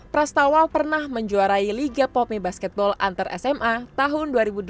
pras tawal pernah menjuarai liga pomi basketball antar sma tahun dua ribu delapan belas